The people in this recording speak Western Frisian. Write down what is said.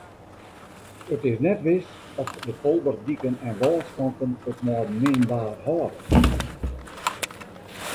It is net wis oft de polderdiken en wâlskanten it mei min waar hâlde.